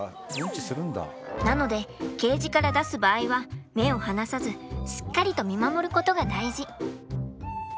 なのでケージから出す場合は目を離さずしっかりと見守ることが大事。